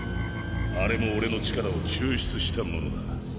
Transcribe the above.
あれも俺の力を抽出したものだ。